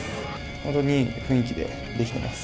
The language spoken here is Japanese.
本当にいい雰囲気でできてます。